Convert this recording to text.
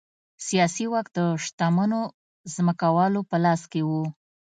سیاسي واک د شتمنو ځمکوالو په لاس کې و.